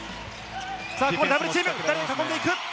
ダブルチーム、ふたりで囲んでいく。